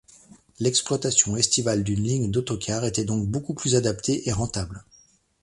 L’exploitation estivale d’une ligne d’autocars était donc beaucoup plus adaptée et rentable.